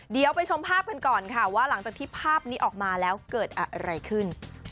เดี๋ยวไปชมภาพกันก่อนค่ะว่าหลังจากที่ภาพนี้ออกมาแล้วเกิดอะไรขึ้น